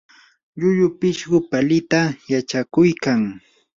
llullu pishqu palita yachakuykan.